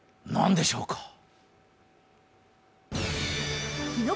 なんでしょうか？